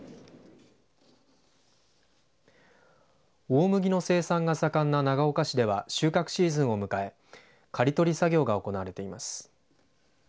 大麦の生産が盛んな長岡市では収穫シーズンを迎え刈り取り作業が行われています。